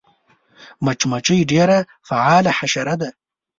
مچمچۍ ډېره فعاله حشره ده